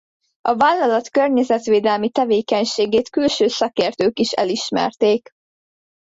A vállalat környezetvédelmi tevékenységét külső szakértők is elismerték.